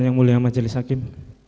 yang mulia majelis hakim